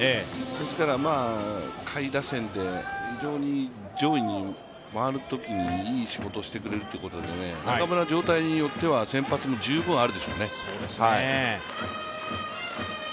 下位打線で非常に上位に回るときにいい仕事をしてくれるということで、中村、状態によっては先発も十分にあるでしょうね。